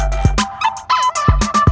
kau mau kemana